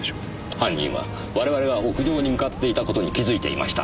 犯人は我々が屋上に向かっていた事に気づいていました。